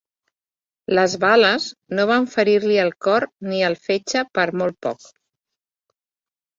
Les bales no van ferir-li el cor ni el fetge per molt poc.